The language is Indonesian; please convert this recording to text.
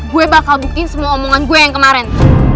gue bakal buktiin semua omongan gue yang kemarin